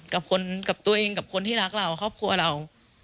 กับคนกับตัวเองกับคนที่รักเราครอบครัวเรา